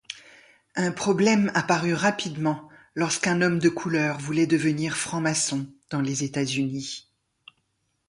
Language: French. Un problème apparut rapidement lorsqu'un homme de couleur voulait devenir franc-maçon dans les États-Unis.